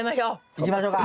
いきましょうか。